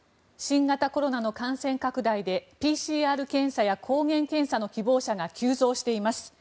新型コロナの感染拡大でＰＣＲ検査や抗原検査の希望者が急増しています。